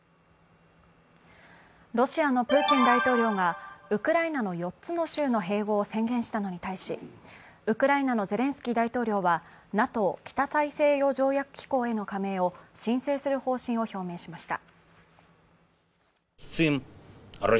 ロシアのプーチン大統領がウクライナの４つの州の併合を宣言したのに対しウクライナのゼレンスキー大統領はＮＡＴＯ＝北大西洋条約機構への加盟を申請する方針を表明しました。